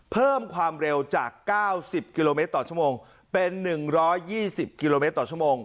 เพิ่มความเร็วจาก๙๐กิโลเมตรต่อชั่วโมงเป็น๑๒๐กิโลเมตรต่อชั่วโมง